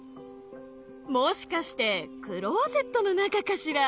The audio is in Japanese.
もしかしてクローゼットの中かしら？